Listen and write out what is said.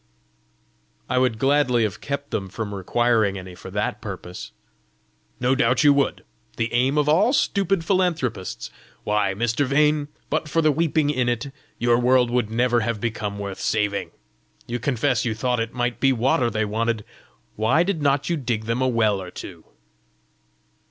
"I would gladly have kept them from requiring any for that purpose!" "No doubt you would the aim of all stupid philanthropists! Why, Mr. Vane, but for the weeping in it, your world would never have become worth saving! You confess you thought it might be water they wanted: why did not you dig them a well or two?"